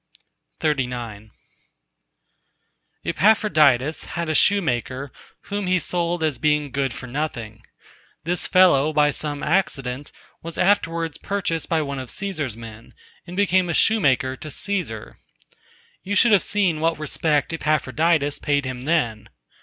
XL Epaphroditus had a shoemaker whom he sold as being good for nothing. This fellow, by some accident, was afterwards purchased by one of Cæsar's men, and became a shoemaker to Cæsar. You should have seen what respect Epaphroditus paid him then.